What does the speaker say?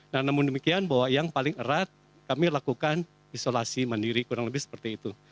nah namun demikian bahwa yang paling erat kami lakukan isolasi mandiri kurang lebih seperti itu